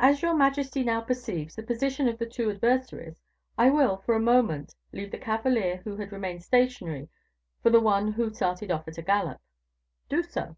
"As your majesty now perceives the position of the two adversaries, I will, for a moment, leave the cavalier who had remained stationary for the one who started off at a gallop." "Do so."